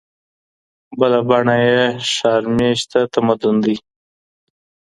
بله بڼه یې ښار میشته تمدن دی.